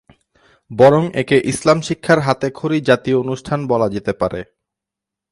বরং একে ইসলাম শিক্ষার হাতেখড়ি জাতীয় অনুষ্ঠান বলা যেতে পারে।